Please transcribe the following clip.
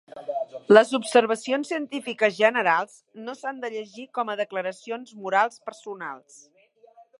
Les observacions científiques generals no s'han de llegir com a declaracions morals personals.